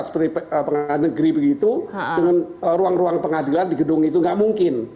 seperti pengadilan negeri begitu dengan ruang ruang pengadilan di gedung itu nggak mungkin